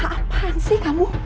apaan sih kamu